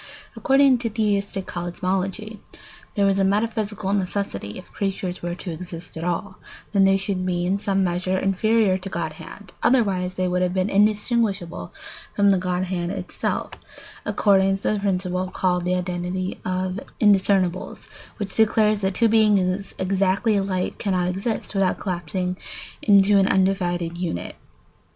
According to theistic cosmology, there was a metaphysical necessity, if creatures were to exist at all, that they should be in some measure inferior to godhead; otherwise they would have been indistinguishable from the godhead itself according to the principle called the identity of indiscernibles, which declares that two beings exactly alike cannot exist without collapsing into an undivided unit.